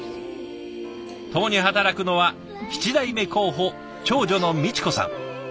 共に働くのは７代目候補長女の美智子さん。